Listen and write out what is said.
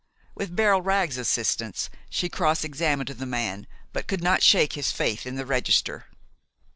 With Beryl Wragg's assistance, she cross examined the man, but could not shake his faith in the register.